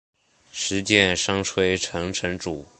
石见山吹城城主。